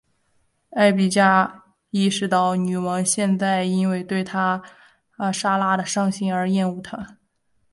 艾碧嘉意识到女王现在因为对莎拉的伤心而厌恶她。